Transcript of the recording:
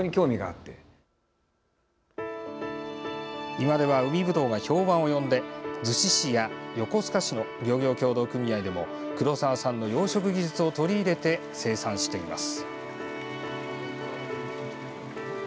今では海ぶどうが評判を呼び逗子市や横須賀市の漁業協同組合でも黒澤さんの養殖技術を取り入れて生産しています。